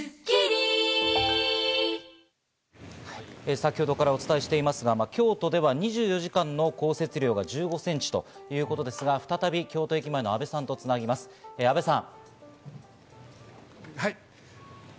先ほどからお伝えしていますが、京都では２４時間の降雪量が１５センチということですが、再び、京都駅前の阿部さんと繋ぎます、阿部さん。